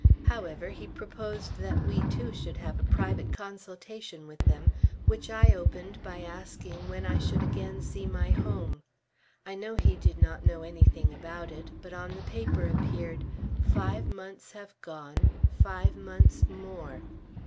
However, he proposed that we two should have a private consultation with them, which I opened by asking when I should again see my home. I know he did not know anything about it; but on the paper appeared "Five months have gone five months more."